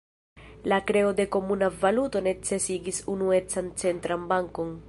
La kreo de komuna valuto necesigis unuecan centran bankon.